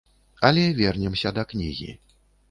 Але вернемся да кнігі.